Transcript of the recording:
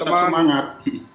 terima kasih semangat